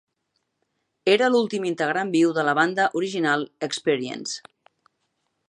Era l'últim integrant viu de la banda original Experience.